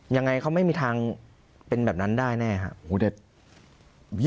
ยังไงเขาไม่มีทางเป็นแบบนั้นได้แน่ครับ